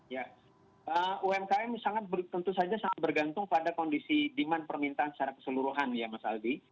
ya umkm sangat tentu saja sangat bergantung pada kondisi demand permintaan secara keseluruhan ya mas aldi